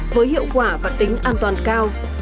với hiệu quả và tính an toàn cao